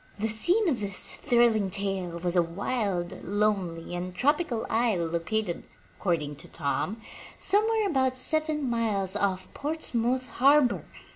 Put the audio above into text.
The scene of this thrilling tale was a wild, lonely and tropical isle located, accord ing to Tom, somewhere about seven miles off Portsmouth Harbor!